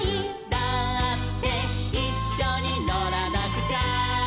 「だっていっしょにのらなくちゃ」